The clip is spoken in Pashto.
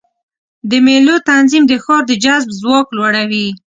د مېلو تنظیم د ښار د جذب ځواک لوړوي.